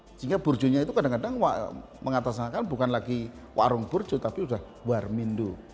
sehingga burjonya itu kadang kadang mengatasnakan bukan lagi warung burjo tapi sudah warmindu